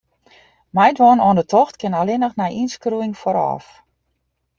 Meidwaan oan 'e tocht kin allinnich nei ynskriuwing foarôf.